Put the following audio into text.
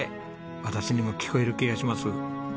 私にも聞こえる気がします。